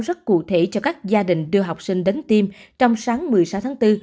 rất cụ thể cho các gia đình đưa học sinh đến tiêm trong sáng một mươi sáu tháng bốn